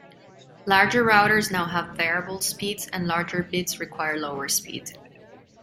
Larger routers now have variable speeds and larger bits require slower speed.